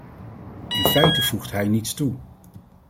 In feite voegt hij niets toe.